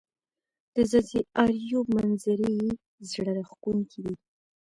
د ځاځي اریوب منظزرې زړه راښکونکې دي